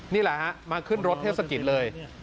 นี่แหละฮะมาขึ้นรถเทศกิจเลย